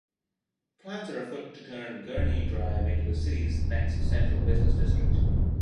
Plans are afoot to turn Gurney Drive into the city's next Central Business District.